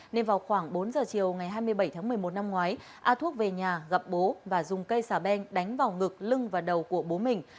nên vào khoảng bốn giờ chiều ngày hai mươi bảy tháng một mươi một năm ngoái a thuốc về nhà gặp bố và dùng cây xà beng đánh vào ngực lưng và đầu của bố mình